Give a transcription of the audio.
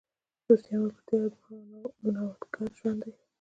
دوستي او ملګرتیا یو دوهم او نوښتګر ژوند دی.